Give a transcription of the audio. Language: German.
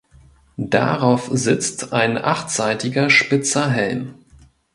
Darauf sitzt ein achtseitiger spitzer Helm.